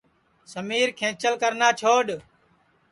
سمیر کھنٚچل کرنا چھوڈؔ